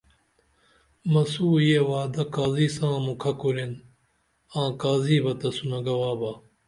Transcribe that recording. مسو یہ وعدہ قاضی ساں مکھہ کُرین آں قاضی بہ تسونہ گواہ با